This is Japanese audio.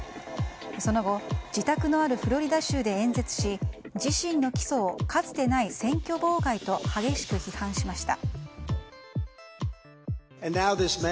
その後自宅のあるフロリダ州で演説し自身の起訴をかつてない選挙妨害と激しく批判しました。